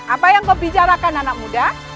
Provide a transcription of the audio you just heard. apa yang kau bicarakan anak muda